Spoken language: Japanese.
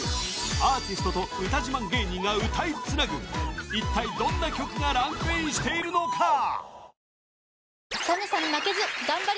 アーティストと歌自慢芸人が歌い繋ぐ一体どんな曲がランクインしているのか？